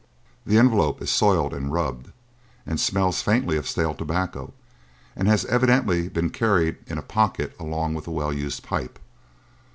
The envelope is soiled and rubbed, and smells faintly of stale tobacco, and has evidently been carried in a pocket along with a well used pipe.